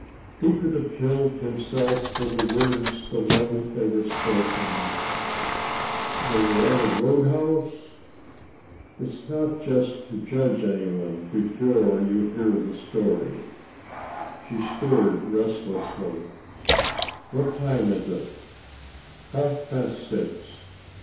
He could have killed himself for the words the moment they were spoken. "They were at a road house?" "It is not just to judge anyone before you hear the story." She stirred restlessly. "What time is it?" "Half past six."